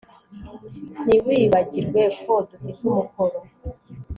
Ntiwibagirwe ko dufite umukoro